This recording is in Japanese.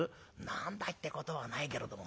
「何だってことはないけれどもね